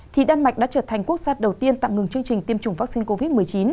thì đan mạch đã trở thành quốc gia đầu tiên tạm ngừng chương trình tiêm chủng vaccine covid một mươi chín